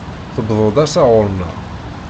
Tuweḍ-d ass-a ɣur-neɣ.